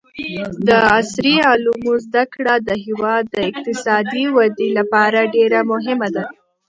د عصري علومو زده کړه د هېواد د اقتصادي ودې لپاره ډېره مهمه ده.